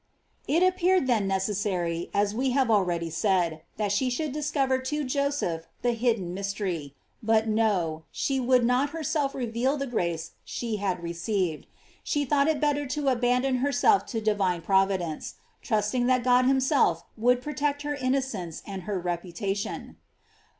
"* It appeared then necessary, as we have already said, that she should discover to Joseph the hidden mystery; but no, she would not her self reveal the grace she had received; she thought it better to abandon herself to divine providence, trusting that God himself would protect her innocence and her reputation.